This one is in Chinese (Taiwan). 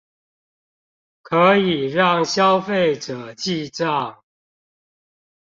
可以讓消費者記帳